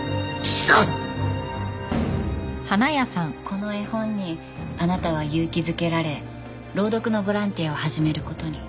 この絵本にあなたは勇気づけられ朗読のボランティアを始める事に。